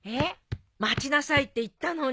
待ちなさいって言ったのに。